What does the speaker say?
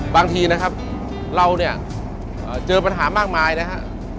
บางทีนะครับเราเนี่ยเจอปัญหามากมายนะฮะ